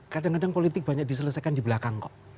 kadang kadang politik banyak diselesaikan di belakang kok